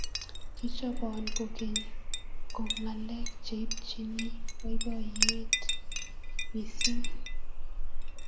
Kichobon kokeny ko ngalek che ibchine boiboiye mising.